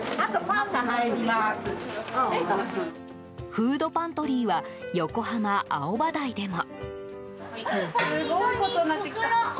フードパントリーは横浜・青葉台でも。